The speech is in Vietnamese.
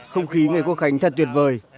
không khí ngày quốc khánh thật tuyệt vời